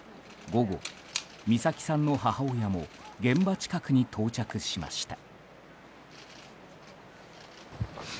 午後、美咲さんの母親も現場近くに到着しました。